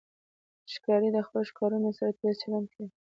ښکاري د خپلو ښکارونو سره تیز چلند کوي.